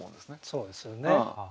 そうですよね。